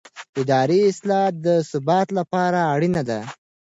اداري اصلاح د ثبات لپاره اړینه ده